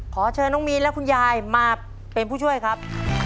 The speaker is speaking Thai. ขอเชิญน้องมีนและคุณยายมาเป็นผู้ช่วยครับ